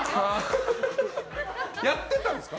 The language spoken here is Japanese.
やってたんですか？